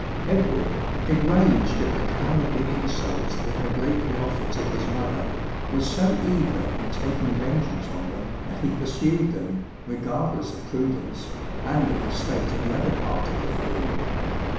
Edward, enraged at the cowardly insults they had lately offered to his mother,* was so eager in taking vengeance on them, that he pursued them, regardless of prudence, and of the state of the other part of the field.